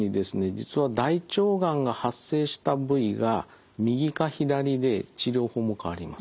実は大腸がんが発生した部位が右か左で治療法も変わります。